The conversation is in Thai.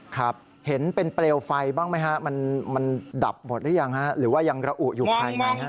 ครับเห็นเป็นเปลวไฟบ้างไหมฮะมันดับหมดหรือยังฮะหรือว่ายังระอุอยู่ภายในฮะ